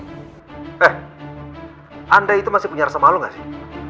eh anda itu masih punya rasa malu gak sih